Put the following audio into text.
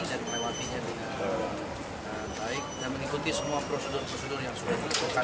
dan melewatinya dengan baik dan mengikuti semua prosedur prosedur yang sudah disesuaikan